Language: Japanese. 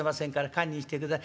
堪忍してください。